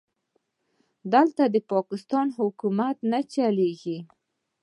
دلته د پاکستان حکومت نه چلېږي.